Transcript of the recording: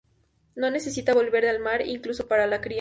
No necesitan volver al mar, incluso para la cría.